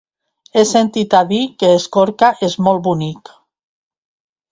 He sentit a dir que Escorca és molt bonic.